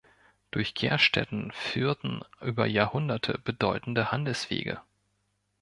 Durch Gerstetten führten über Jahrhunderte bedeutende Handelswege.